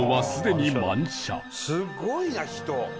すごいな人！